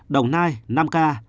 đồng nai năm ca